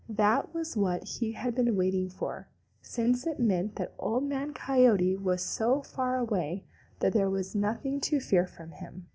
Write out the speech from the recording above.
That was what he had been waiting for, since it meant that Old Man Coyote was so far away that there was nothing to fear from him.